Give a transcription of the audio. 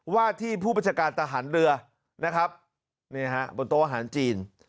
ว่าที่ผู้บัญชาการทหารเรือนะครับนี่ฮะบนโต๊ะอาหารจีน